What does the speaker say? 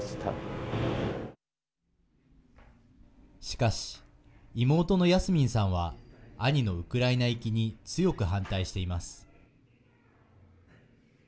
しかし妹のヤスミンさんは兄のウクライナ行きに強く反対しています。